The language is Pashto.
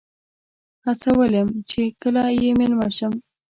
هڅولم چې کله یې میلمه شم.